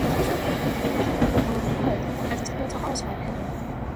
It usually comes from cattle or hogs as a slaughterhouse by-product.